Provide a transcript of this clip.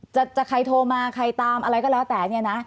จะใครโทรมาใครตามอะไรก็แล้วแต่เนี่ยนะ